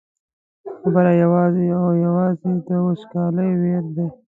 خبره یوازې او یوازې د وچکالۍ ویر دی.